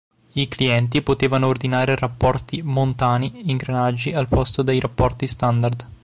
I clienti potevano ordinare rapporti "montani" ingranaggi al posto dei rapporti standard.